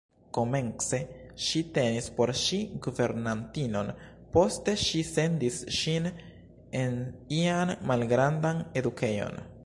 Komence ŝi tenis por ŝi guvernantinon, poste ŝi sendis ŝin en ian malgrandan edukejon.